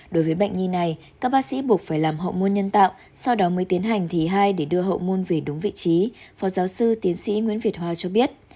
đối với bệnh nhi này các bác sĩ buộc phải làm hậu môn nhân tạo sau đó mới tiến hành thi hai để đưa hậu môn về đúng vị trí phó giáo sư tiến sĩ nguyễn việt hoa cho biết